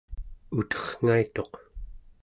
uterrngaituq